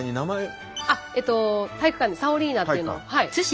あっ体育館でサオリーナっていうのが。